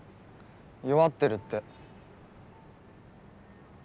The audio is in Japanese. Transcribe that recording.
弱ってるって。